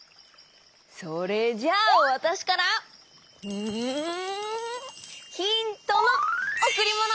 それじゃあわたしからうんヒントのおくりもの！